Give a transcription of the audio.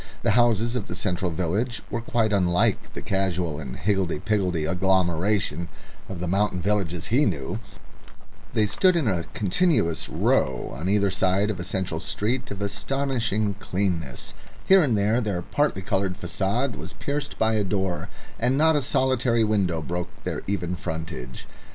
The houses of the central village were quite unlike the casual and higgledy piggledy agglomeration of the mountain villages he knew; they stood in a continuous row on either side of a central street of astonishing cleanness; here and there their particoloured facade was pierced by a door, and not a solitary window broke their even frontage.